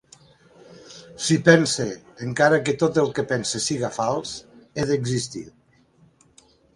Si pense, encara que tot el que pense siga fals, he d'existir.